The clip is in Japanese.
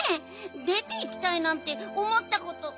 でていきたいなんておもったこと。